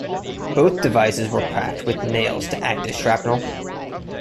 Both devices were packed with nails to act as shrapnel.